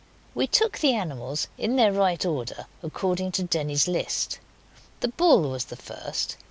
We took the animals in their right order, according to Denny's list. The bull was the first.